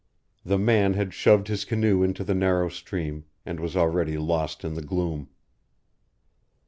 The man had shoved his canoe into the narrow stream, and was already lost in the gloom.